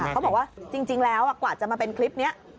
เขาบอกว่าจริงแล้วกว่าจะมาเป็นคลิปนี้